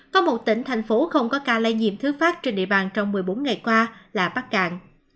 có một tỉnh thành phố không có ca lây nhiễm thứ phát trên địa bàn trong một mươi bốn ngày qua là bắc cạn